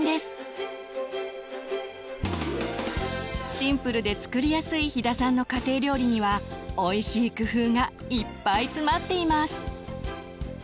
シンプルで作りやすい飛田さんの家庭料理にはおいしい工夫がいっぱい詰まっています。